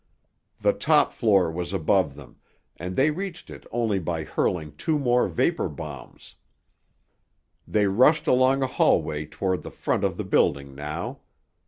The top floor was above them, and they reached it only by hurling two more vapor bombs. They rushed along a hallway toward the front of the building now.